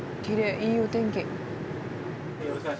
いいお天気！